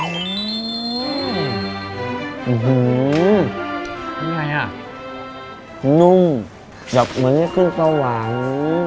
นี่ไงอ่ะนุ่มเหมือนจะขึ้นสว่าง